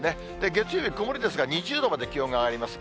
月曜日、曇りですが、２０度まで気温が上がります。